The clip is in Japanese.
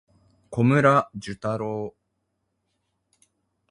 小村寿太郎